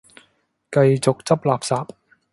繼續執垃圾